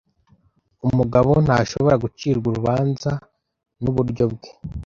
Umugabo ntashobora gucirwa urubanza nuburyo bwe.